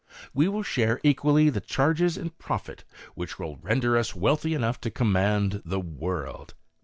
We will share equally the charges and profit, which will render us wealthy enough to command the world."